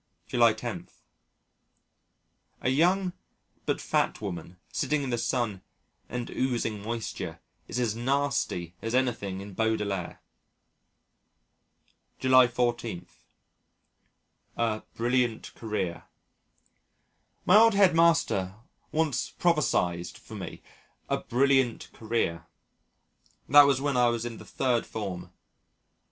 July 10. A young but fat woman sitting in the sun and oozing moisture is as nasty as anything in Baudelaire. July 14. A "Brilliant Career" My old head master once prophesied for me "a brilliant career." That was when I was in the Third Form.